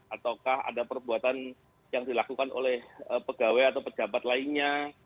ataukah ada perbuatan yang dilakukan oleh pegawai atau pejabat lainnya